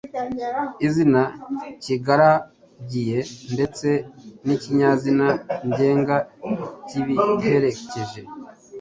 izina kigaragiye ndetse n’ikinyazina ngenga kibiherekeje.